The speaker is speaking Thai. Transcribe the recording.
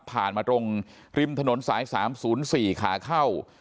ผ่านมาตรงริมถนนสาย๓๐๔ข้าเข้า๑๙๑๔